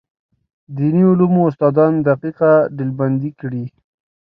دیني علومو استادان دقیقه ډلبندي کړي.